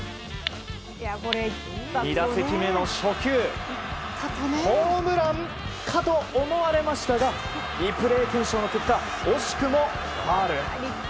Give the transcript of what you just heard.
２打席目の初球ホームランかと思われましたがリプレイ検証の結果惜しくもファウル。